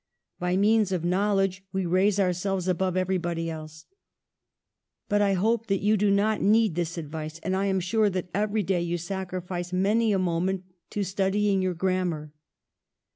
By means of knowledge we raise ourselves above every body else. ... But I hope that you do not need this advice, and I am sure that every day you sacrifice many a moment to studying your gramm^ar.